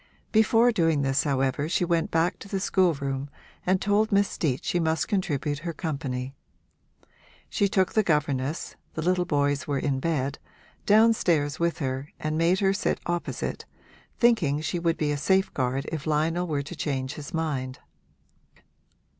Before doing this however she went back to the schoolroom and told Miss Steet she must contribute her company. She took the governess (the little boys were in bed) downstairs with her and made her sit opposite, thinking she would be a safeguard if Lionel were to change his mind.